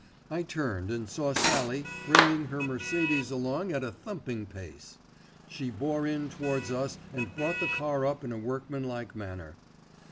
I turned and saw Sallie bringing her "Mercedes" along at a thumping pace. She bore in towards us and brought the car up in a workmanlike manner.